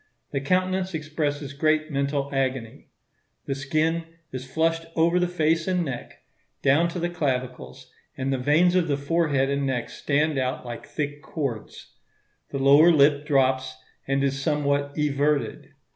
The countenance expresses great mental agony. The skin is flushed over the face and neck, down to the clavicles, and the veins of the forehead and neck stand out like thick cords. The lower lip drops, and is somewhat everted.